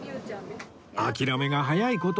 諦めが早いこと！